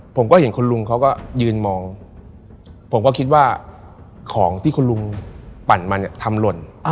ผมก็เห็นคุณลุงเขาก็ยืนมองผมก็คิดว่าของที่คุณลุงปั่นมาเนี่ยทำหล่น